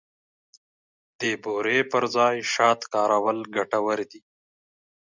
د بوري پر ځای شات کارول ګټور دي.